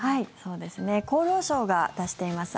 厚労省が出しています